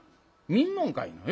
見んのんかいな。